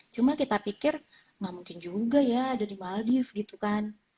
cuma kita pikir nggak mungkin juga ya ada di maldive gitu kan